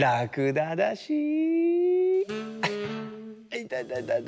いたたたた。